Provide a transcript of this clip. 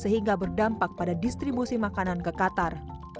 sehingga berdampak pada distribusi makanan ke qatar